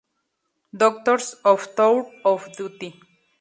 Doctors" o "Tour of Duty".